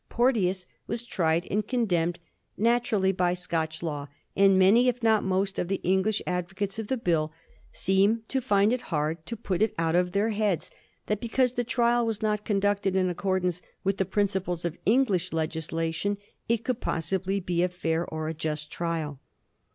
Porteous was tried and condemned natur ally by Scotch law, and many, if not most, of the English advocates of the Bill seemed to find it hard to put it out of their heads that because the trial was not conducted in accordance with the principles of English legislation it could possibly be a fair or a just trial.